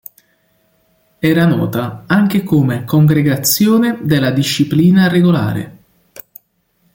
Era nota anche come Congregazione della disciplina regolare.